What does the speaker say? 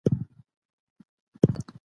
ماشوم د انارګل د خوښۍ ننداره کوله.